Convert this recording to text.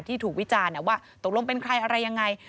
ที่ถูกวิจารณ์ว่าตกลงเป็นใครอะไรยังไง